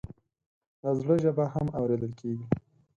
د زړه ژبه هم اورېدل کېږي.